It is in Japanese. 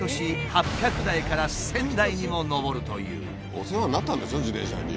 お世話になったんでしょ自転車に。